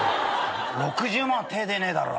６０万は手出ねえだろ。